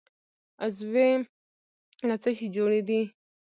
عضوې له څه شي جوړې دي؟